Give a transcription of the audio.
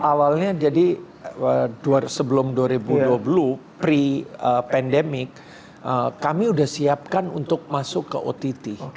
awalnya jadi sebelum dua ribu dua puluh pre pandemic kami sudah siapkan untuk masuk ke ott